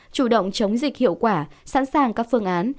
chủ động chống dịch hiệu quả sẵn sàng các phương án